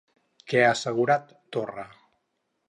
Què ha assegurat, Torra?